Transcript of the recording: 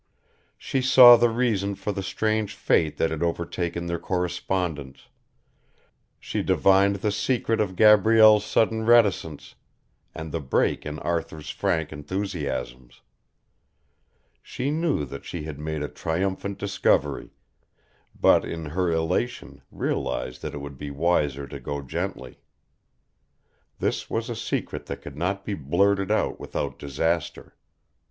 She saw the reason for the strange fate that had overtaken their correspondence, she divined the secret of Gabrielle's sudden reticence, and the break in Arthur's frank enthusiasms. She knew that she had made a triumphant discovery, but in her elation realised that it would be wiser to go gently. This was a secret that could not be blurted out without disaster.